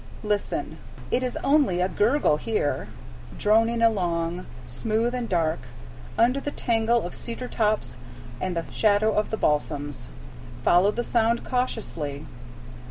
Listen! It is only a gurgle here, droning along, smooth and dark, under the tangle of cedar tops and the shadow of the balsams. Follow the sound cautiously.